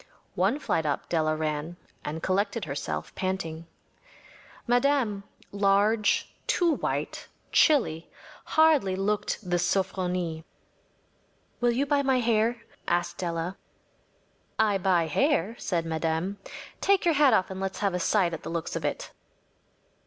‚ÄĚ One flight up Della ran, and collected herself, panting. Madame, large, too white, chilly, hardly looked the ‚ÄúSofronie.‚ÄĚ “Will you buy my hair?‚ÄĚ asked Della. “I buy hair,‚ÄĚ said Madame. “Take yer hat off and let’s have a sight at the looks of it.